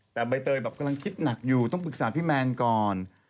แต่ใบเตยแบบกำลังคิดหนักอยู่ต้องปรึกษาพี่แมนก่อน